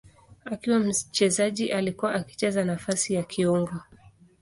Akiwa mchezaji alikuwa akicheza nafasi ya kiungo.